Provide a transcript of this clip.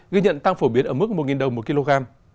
ghi nhận tăng phổ biến ở mức một đồng một kg